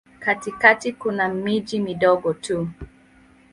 Katikati kuna miji midogo tu.